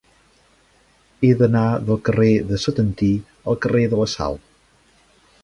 He d'anar del carrer de Setantí al carrer de la Sal.